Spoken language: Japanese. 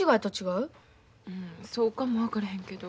うんそうかも分からへんけど。